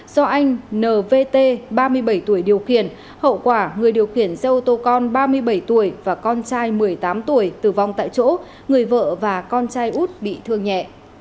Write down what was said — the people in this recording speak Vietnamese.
do anh nvt ba mươi bảy tuổi điều khiển hậu quả người điều khiển xe ô tô con ba mươi bảy tuổi và con trai một mươi tám tuổi tử vong tại chỗ người vợ và con trai út bị thương nhẹ